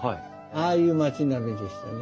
ああいう街並みでしたね。